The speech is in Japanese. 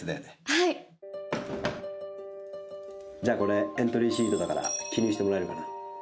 はいじゃあこれエントリーシートだから記入してもらえるかな